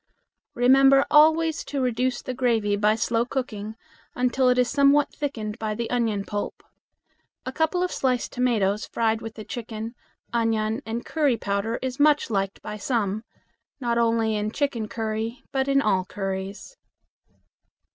Remember always to reduce the gravy by slow cooking until it is somewhat thickened by the onion pulp. A couple of sliced tomatoes fried with the chicken, onion, and curry powder is much liked by some not only in chicken curry, but in all curries.